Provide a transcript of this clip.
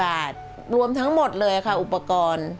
บาทรวมทั้งหมดเลยค่ะอุปกรณ์